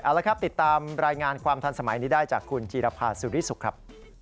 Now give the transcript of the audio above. เอาละครับติดตามรายงานความทันสมัยนี้ได้จากคุณจีรภาสุริสุขครับ